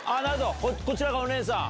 こちらがお姉さん。